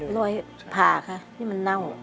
รอยผ่าค่ะนี่มันเน่า